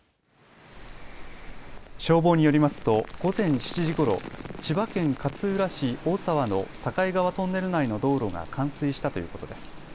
消防によりますと午前７時ごろ、千葉県勝浦市大沢の境川トンネル内の道路が冠水したということです。